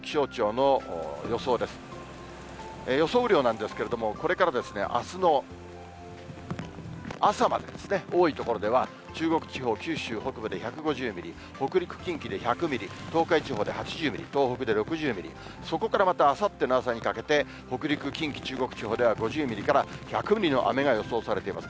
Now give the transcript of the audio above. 雨量なんですけれども、これからあすの朝までですね、多い所では、中国地方、九州北部で１５０ミリ、北陸、近畿で１００ミリ、東海地方で８０ミリ、東北で６０ミリ、そこからまたあさっての朝にかけて、北陸、近畿、中国地方では５０ミリから１００ミリの雨が予想されています。